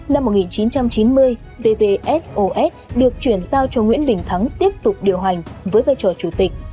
năm một nghìn chín trăm chín mươi bpsos được chuyển giao cho nguyễn đình thắng tiếp tục điều hành với vai trò chủ tịch